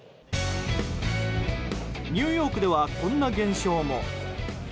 ニューヨークではこんな現象も。